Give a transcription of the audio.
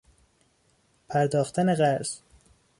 پرداختن قرض